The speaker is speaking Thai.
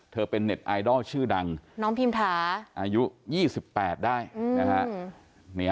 เธอเป็นเน็ตไอดอลชื่อดังน้องพิมพ์ฐาอายุ๒๘ได้